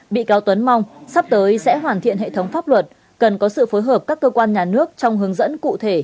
bị cáo tuấn mong sắp tới sẽ hoàn thiện hệ thống pháp luật cần có sự phối hợp các cơ quan nhà nước trong hướng dẫn cụ thể